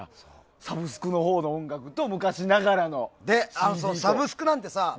サブスクのほうの音楽とサブスクなんてさ。